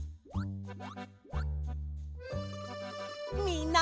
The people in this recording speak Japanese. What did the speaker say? みんな！